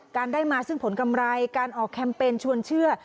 การได้มาซึ่งผลกำไรการออกแคมเปญชวนเชื่อ